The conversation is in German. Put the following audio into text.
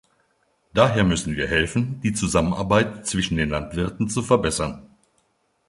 Daher müssen wir helfen, die Zusammenarbeit zwischen den Landwirten zu verbessern.